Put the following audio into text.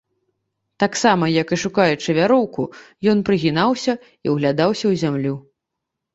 Таксама, як і шукаючы вяроўку, ён прыгінаўся і ўглядаўся ў зямлю.